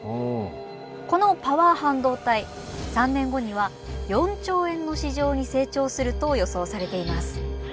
このパワー半導体３年後には４兆円の市場に成長すると予想されています。